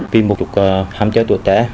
vì một chục hàm chế tuổi trẻ